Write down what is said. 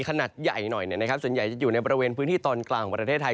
ขนาดใหญ่หน่อยส่วนใหญ่จะอยู่ในบริเวณพื้นที่ตอนกลางของประเทศไทย